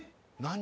何？